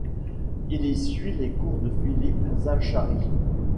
Il y suit les cours de Philippe Zacharie.